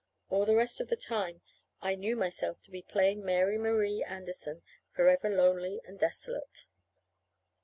All the rest of the time I knew myself to be plain Mary Marie Anderson, forever lonely and desolate.